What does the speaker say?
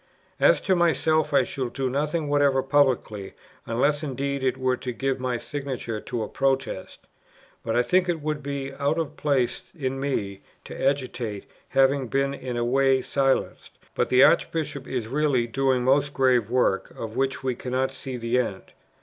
"As to myself, I shall do nothing whatever publicly, unless indeed it were to give my signature to a Protest; but I think it would be out of place in me to agitate, having been in a way silenced; but the Archbishop is really doing most grave work, of which we cannot see the end."